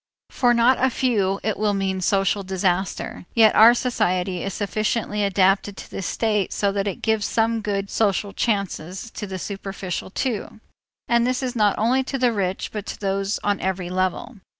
For not a few it will mean social disaster. Yet our society is sufficiently adapted to this state so that it gives some good social chances to the superficial too, and this not only to the rich, but to those on every level.